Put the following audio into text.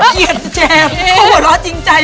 เกลียดแจบเขาหัวล้อจริงใจ